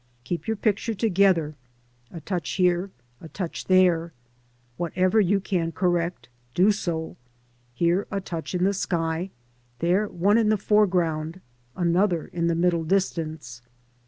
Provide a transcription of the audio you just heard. Keep your picture together, a touch here, a touch there; whatever you can correct, do so— here a touch in the sky, there one in the foreground, another in the middle distance.